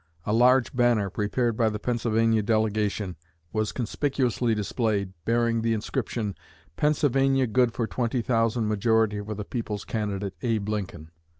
A large banner, prepared by the Pennsylvania delegation, was conspicuously displayed, bearing the inscription, 'Pennsylvania good for twenty thousand majority for the people's candidate, Abe Lincoln.'